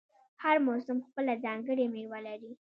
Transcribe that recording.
هر موسم خپله ځانګړې میوه لري.